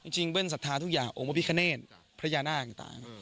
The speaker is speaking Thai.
จริงเบิ้ลศรัทธาทุกอย่างโอมพิคเนตพระยานาคต่าง